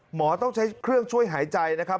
หมอต้องใช้เครื่องช่วยหายใจนะครับ